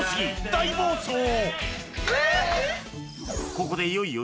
ここでいよいよ